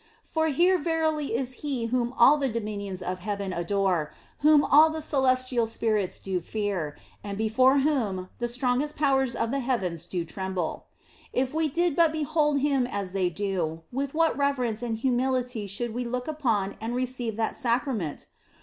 For here verily is He whom all the dominions of heaven adore, whom all the celestial spirits do fear, and before whom the strongest powers of the heavens do tremble. If we did but behold Him as they do, with what reverence and humility should we look upon and receive that Sacrament